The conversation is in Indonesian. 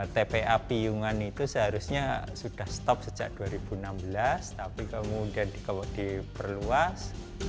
tpa piyungan itu seharusnya sudah stop sejak dua ribu enam belas tapi kemudian diperluas